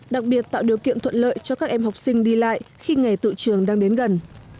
đặc biệt tạo điều kiện thuận lợi cho các em học sinh đi lại khi ngày tự trường đang đến gần